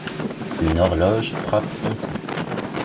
Une horloge frappe un coup.